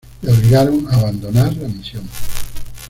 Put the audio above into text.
Le obligaron a abandonar la misión.